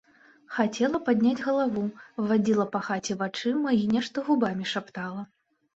Хацела падняць галаву, вадзіла па хаце вачыма і нешта губамі шаптала.